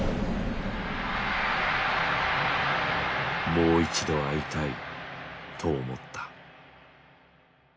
「もう一度会いたい」と思った。